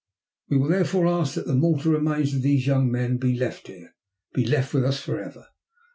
"We will, therefore, ask that the mortal remains of these young men be left here, be left with us forever.